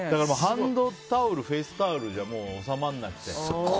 ハンドタオルフェイスタオルじゃもう収まらなくて。